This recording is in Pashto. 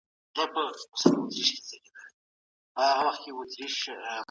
همداراز د ښځو نور بشري او انساني حقونه، لکه د